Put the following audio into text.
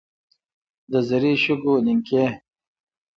د زري شګو نینکې.